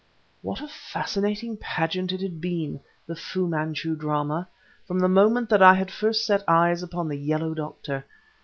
What a fascinating pageant it had been the Fu Manchu drama from the moment that I had first set eyes upon the Yellow doctor.